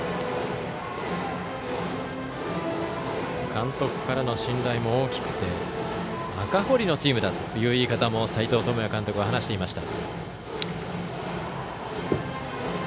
監督からの信頼も大きくて赤堀のチームだという言い方も斎藤智也監督は話していました。